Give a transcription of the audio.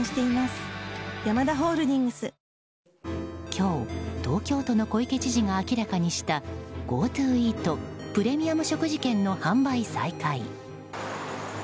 今日、東京都の小池知事が明らかにしたＧｏＴｏイートプレミアム食事券の販売再開。